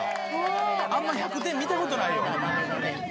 あんま１００点見たことないよ。